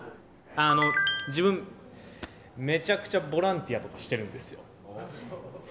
自分めちゃくちゃボランティアとかしてるんですよ。